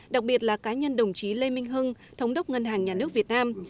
đặc biệt là cá nhân đồng chí lê minh hưng thống đốc ngân hàng nhà nước việt nam